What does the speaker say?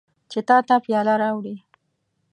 چې تا ته پیاله راوړي.